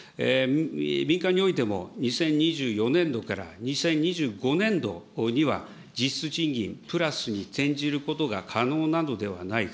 民間においても２０２４年度から２０２５年度には、実質賃金プラスに転じることが可能なのではないか。